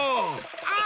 ああ！